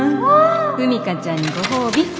風未香ちゃんにご褒美。